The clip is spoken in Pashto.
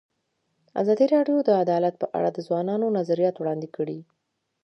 ازادي راډیو د عدالت په اړه د ځوانانو نظریات وړاندې کړي.